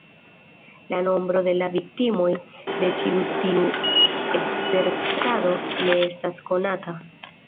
La nombro de la viktimoj de ĉi tiu ekzercado ne estas konata.